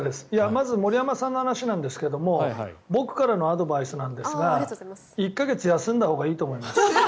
まず、森山さんの話なんですが僕からのアドバイスなんですが１か月休んだほうがいいと思います。